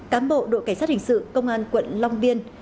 cám bộ đội cảnh sát hình sự công an quận long biên